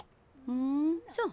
ふんそう。